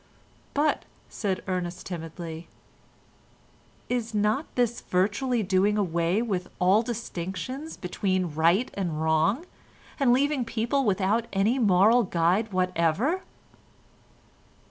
"But," said Ernest timidly, "is not this virtually doing away with all distinction between right and wrong, and leaving people without any moral guide whatever?"